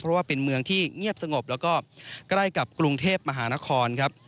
เพราะว่าเป็นเมืองที่เงียบสงบแล้วก็ใกล้กับกรุงเทพมหานครครับ